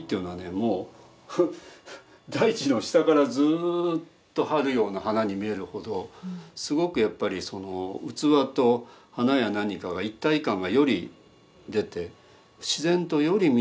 もう大地の下からずっとはうような花に見えるほどすごくやっぱり器と花や何かが一体感がより出て。